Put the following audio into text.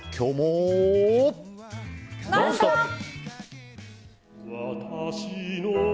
「ノンストップ！」。